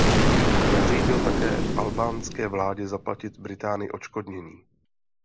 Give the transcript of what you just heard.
Nařídil také albánské vládě zaplatit Británii odškodnění.